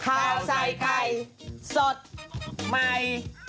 ข้าวใส่ไข่สดใหม่